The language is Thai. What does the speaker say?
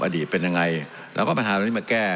อดีตเป็นยังไงและก็ปัญหาเป็นนี่มาแก้